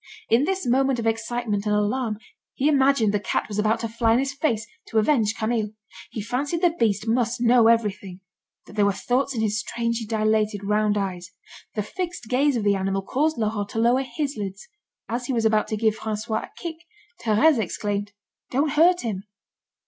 In this moment of excitement and alarm, he imagined the cat was about to fly in his face to avenge Camille. He fancied the beast must know everything, that there were thoughts in his strangely dilated round eyes. The fixed gaze of the animal caused Laurent to lower his lids. As he was about to give François a kick, Thérèse exclaimed: "Don't hurt him."